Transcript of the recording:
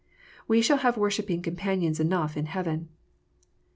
We shall have worshipping companions enough in heaven.